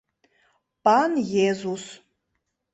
Пан езус!